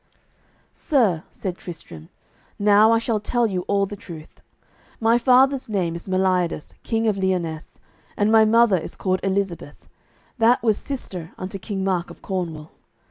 "Sir," said Tristram, "now I shall tell you all the truth: My father's name is Meliodas, king of Lyonesse, and my mother is called Elizabeth, that was sister unto King Mark of Cornwall.